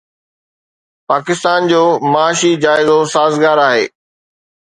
پاڪستان جو معاشي جائزو سازگار آهي